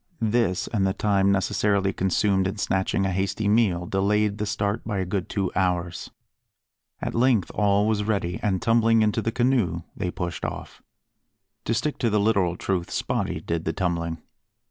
This, and the time necessarily consumed in snatching a hasty meal, delayed the start by a good two hours. At length all was ready, and tumbling into the canoe they pushed off. To stick to the literal truth, Spottie did the tumbling.